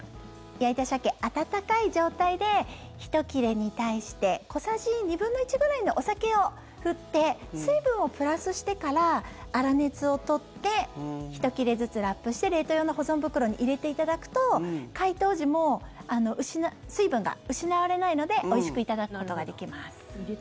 焼いたサケ温かい状態で１切れに対して小さじ２分の１ぐらいのお酒を振って水分をプラスしてから粗熱を取って１切れずつラップして冷凍用の保存袋に入れていただくと解凍時も水分が失われないのでおいしくいただくことができます。